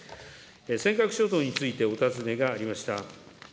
尖閣諸島についてお尋ねがありました。